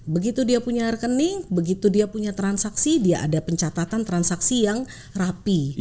begitu dia punya rekening begitu dia punya transaksi dia ada pencatatan transaksi yang rapi